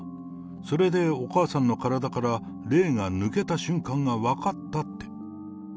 それでお母さんの体から霊が抜けた瞬間が分かったって。